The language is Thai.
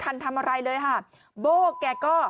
ไม่รู้อะไรกับใคร